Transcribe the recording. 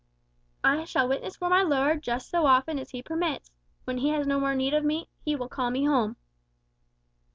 I shall witness for my Lord just so often as he permits. When he has no more need of me, he will call me home."